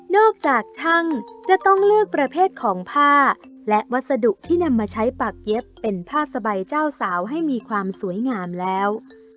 จากช่างจะต้องเลือกประเภทของผ้าและวัสดุที่นำมาใช้ปากเย็บเป็นผ้าสบายเจ้าสาวให้มีความสวยงามแล้ว